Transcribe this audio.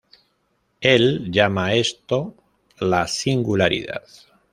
Él llama a esto "la Singularidad".